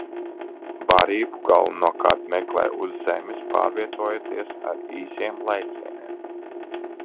Barību galvenokārt meklē uz zemes, pārvietojoties ar īsiem lēcieniem.